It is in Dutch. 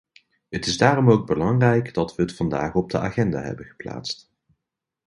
Het is daarom ook belangrijk dat we het vandaag op de agenda hebben geplaatst.